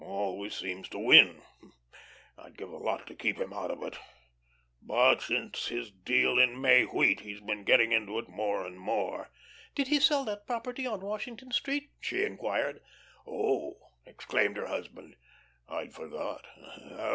Always seems to win. I'd give a lot to keep him out of it; but since his deal in May wheat he's been getting into it more and more." "Did he sell that property on Washington Street?" she inquired. "Oh," exclaimed her husband, "I'd forgot.